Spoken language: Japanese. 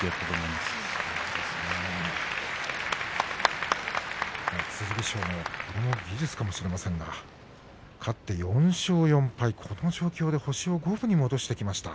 それも剣翔の技術かもしれませんが、勝って４勝４敗この状況で星を五分に戻してきました。